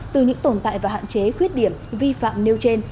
từ những tồn tại và hạn chế khuyết điểm vi phạm nêu trên